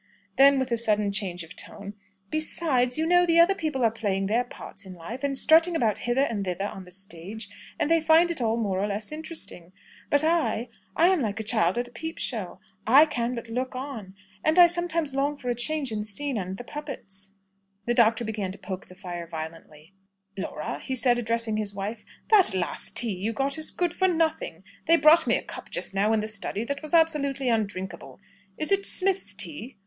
Then, with a sudden change of tone, "Besides, you know, the other people are playing their parts in life, and strutting about hither and thither on the stage, and they find it all more or less interesting. But I I am like a child at a peep show. I can but look on, and I sometimes long for a change in the scene and the puppets!" The doctor began to poke the fire violently. "Laura," said he, addressing his wife, "that last tea you got is good for nothing. They brought me a cup just now in the study that was absolutely undrinkable. Is it Smith's tea?